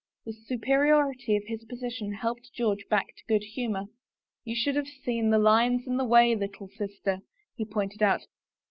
The superiority of his position helped George back to good humor. " You should have seen the lions in the way, little sister," he pointed out.